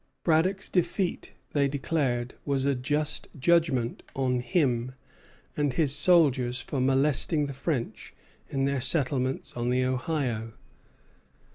Braddock's defeat, they declared, was a just judgment on him and his soldiers for molesting the French in their settlements on the Ohio.